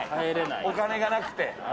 お金がなくて。